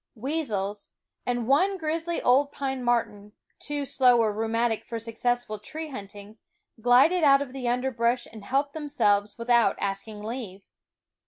Weasels, and one grizzly old pine marten, too slow or rheumatic for successful tree hunting, glided out of the underbrush and helped themselves without asking leave.